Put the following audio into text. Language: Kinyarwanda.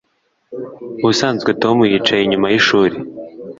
Ubusanzwe Tom yicaye inyuma yishuri